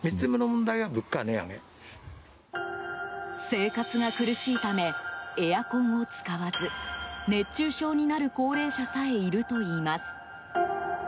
生活が苦しいためエアコンを使わず熱中症になる高齢者さえいるといいます。